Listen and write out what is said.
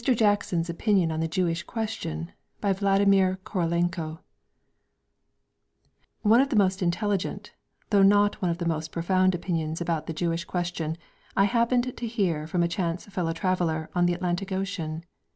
JACKSON'S OPINION ON THE JEWISH QUESTION BY VLADIMIR KOROLENKO One of the most intelligent though not one of the most profound opinions about the Jewish question I happened to hear from a chance fellow traveller on the Atlantic Ocean.